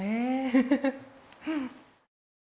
フフフ。